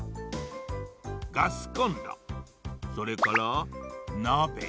ガスコンロそれからなべ。